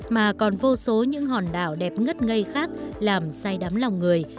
mà còn vô số những hòn đảo đẹp ngất ngây khác làm say đắm lòng người